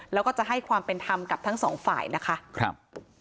แล้วก็จะให้ความเป็นธรรมกับทั้งสองฝ่ายนะคะครับ